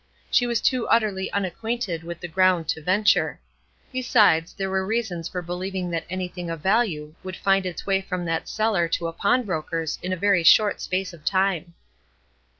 She was too utterly unacquainted with the ground to venture. Besides, there were reasons for believing that anything of value would find its way from that cellar to a pawnbroker's in a very short space of time.